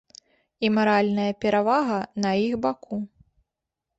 І маральная перавага на іх баку.